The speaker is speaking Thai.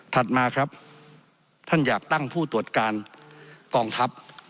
มาครับท่านอยากตั้งผู้ตรวจการกองทัพ